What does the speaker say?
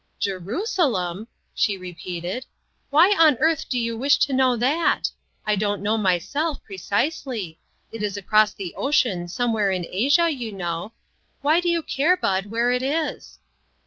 "Jerusalem!" she repeated. "Why on earth do you wish to know that ? I don't know myself, precisely. It is across the ocean somewhere in Asia, you know. Why do you care, Bud, where it is?"